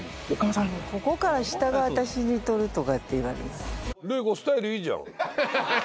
ここから下が私に似とるとかっていわれます。